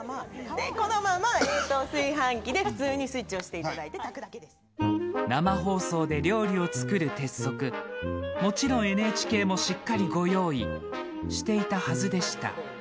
このまま炊飯器で普通にスイッチを押していただいて炊くだけ生放送で料理を作る鉄則、もちろん、ＮＨＫもしっかりご用意していたはずでした。